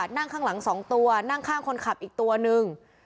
นั่งข้างหลัง๒ตัวนั่งข้างคนขับอีกตัวนึง